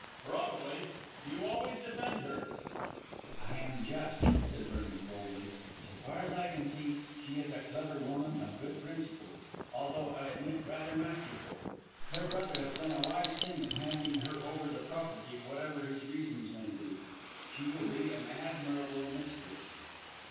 "Probably. You always defend her." "I am just," said Vernon coldly. "So far as I can see, she is a clever woman of good principles, although, I admit, rather masterful. Her brother has done a wise thing in handing her over the property, whatever his reasons may be. She will be an admirable mistress."